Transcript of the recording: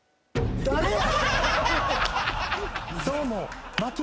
誰や！？